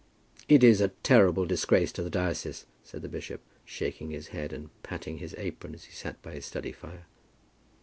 "It is a terrible disgrace to the diocese," said the bishop, shaking his head, and patting his apron as he sat by his study fire.